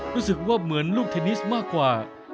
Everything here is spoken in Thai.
รู้สึกว่าเหมือนลูกเทนนิสมากกว่า